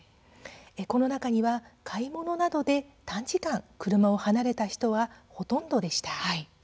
この中には買い物などで短時間、車を離れた人はほとんどでした。